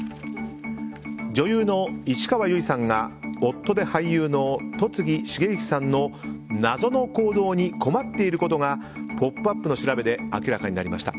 女優の市川由衣さんが夫で俳優の戸次重幸さんの謎の行動に困っていることが「ポップＵＰ！」の調べで明らかになりました。